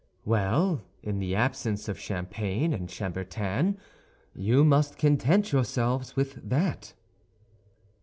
"Well, in the absence of champagne and chambertin, you must content yourselves with that."